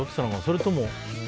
それとも。